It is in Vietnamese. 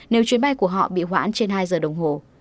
nếu chuyến bay của họ bị hoãn trên hai giờ đồng hồ